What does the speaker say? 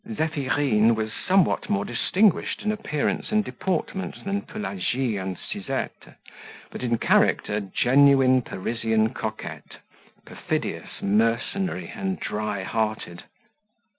Zephyrine was somewhat more distinguished in appearance and deportment than Pelagie and Suzette, but in character genuine Parisian coquette, perfidious, mercenary, and dry hearted.